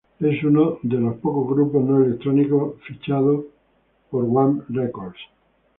Es uno de los pocos grupos no electrónicos fichado por Warp Records.